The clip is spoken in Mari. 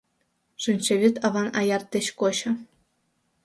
Шинчавӱд аван аяр деч кочо.